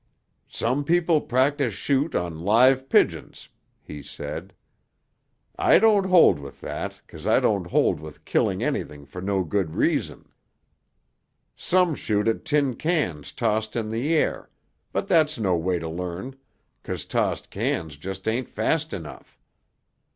"Some people practice shoot on live pigeons," he said. "I don't hold with that 'cause I don't hold with killing anything for no good reason. Some shoot at tin cans tossed in the air, but that's no way to learn 'cause tossed cans just ain't fast enough.